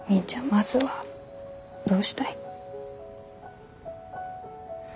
まずはどうしたい？